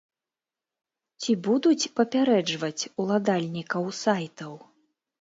Ці будуць папярэджваць уладальнікаў сайтаў?